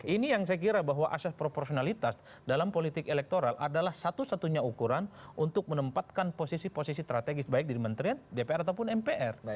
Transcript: ini yang saya kira bahwa asas proporsionalitas dalam politik elektoral adalah satu satunya ukuran untuk menempatkan posisi posisi strategis baik di kementerian dpr ataupun mpr